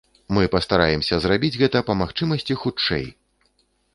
Мы пастараемся зрабіць гэта па магчымасці хутчэй.